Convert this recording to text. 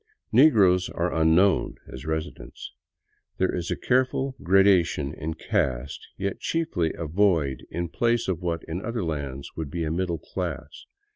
Negroes are unknown as residents. There is a careful gradation in caste, yet chiefly a void in place of what, in other lands, would be a middle class.